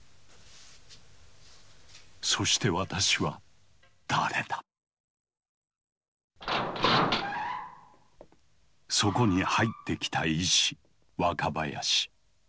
そしてそこに入ってきた医師若林。